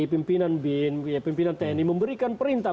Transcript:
pimpinan bin pimpinan tni memberikan perintah